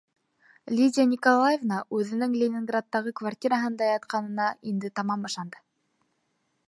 Лидия Николаевна үҙенең Ленин- градтағы квартираһында ятҡанына инде тамам ышанды.